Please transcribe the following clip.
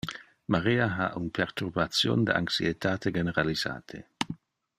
Maria ha un perturbation de anxietate generalisate.